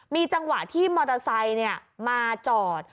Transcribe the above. มีจังหวะที่มอเตอร์ไซค์มาจอด